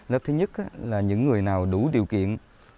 lớp thứ nhất là những người nào đủ điều kiện